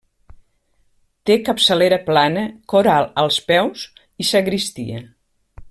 Té capçalera plana, cor alt als peus i sagristia.